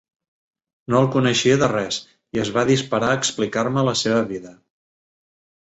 No el coneixia de res i es va disparar a explicar-me la seva vida.